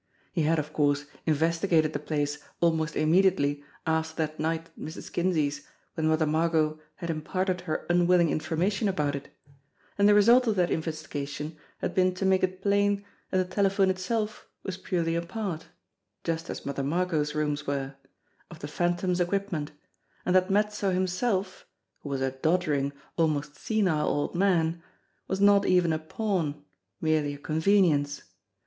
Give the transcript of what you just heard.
He had, of course, investigated the place almost immediately after that night at Mrs. Kinsey's when Mother Margot had imparted her unwilling informa tion about it, and the result of that investigation had been to make it plain that the telephone itself was purely a part, just as Mother Margot's rooms were, of the Phantom's equip ment, and that Mezzo himself, who was a doddering, almost senile old man, was not even a pawn merely a convenience.